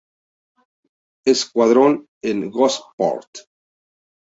Squadron en Gosport.